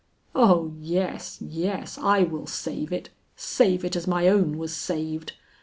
Oh yes, yes, I will save it, save it as my own was saved.